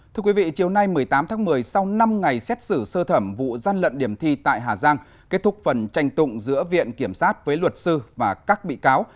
thưa quý vị chiều nay một mươi tám tháng một mươi sau năm ngày xét xử sơ thẩm vụ gian lận điểm thi tại hà giang kết thúc phần tranh tụng giữa viện kiểm sát với luật sư và các bị cáo